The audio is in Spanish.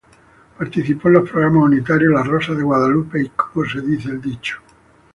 Participó en los programas unitarios "La rosa de Guadalupe" y "Como dice el dicho".